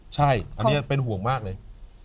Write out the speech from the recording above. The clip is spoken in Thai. ใช่อันนี้เป็นห่วงมากเลย